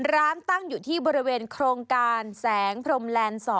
ตั้งอยู่ที่บริเวณโครงการแสงพรมแลนด์๒